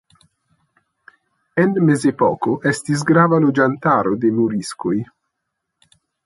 En Mezepoko estis grava loĝantaro de moriskoj.